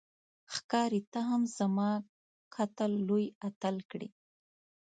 ښکاري ته هم زما قتل لوی اتل کړې